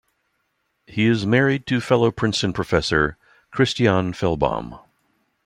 He is married to fellow Princeton professor Christiane Fellbaum.